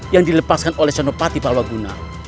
yang dilepaskan oleh sanopati sawahwaguna